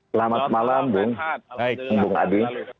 selamat malam bang adi